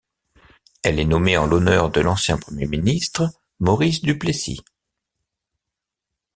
Elle est nommée en l'honneur de l'ancien premier ministre Maurice Duplessis.